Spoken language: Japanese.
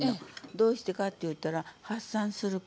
どうしてかっていったら発散するから。